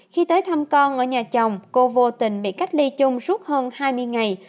khi tới thăm con ở nhà chồng cô vô tình bị cách ly chung suốt hơn hai mươi ngày